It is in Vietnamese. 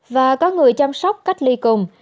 và có người chăm sóc cách ly cùng